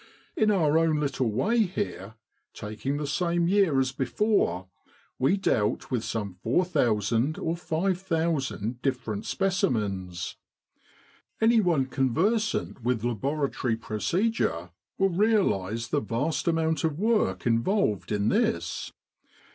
In our own little way here, taking the same year as before, we dealt with some 4,000 or 5,000 different specimens. Anyone conversant with laboratory pro cedure will realise the vast amount of work involved in this.